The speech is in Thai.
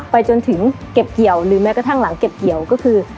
ไปจนถึงเก็บเกี่ยวหรือแม้กระทั่งหลังเก็บเกี่ยวก็คือ